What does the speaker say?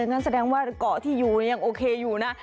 งั้นแสดงว่าเกาะที่อยู่ยังโอเคอยู่นะ